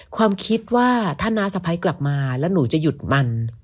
ความคิดว่าถ้าน้าสะพ้ายกลับมาแล้วหนูจะหยุดมัน